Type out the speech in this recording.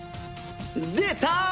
出た！